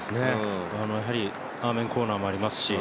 やはりアーメンコーナーもありますし。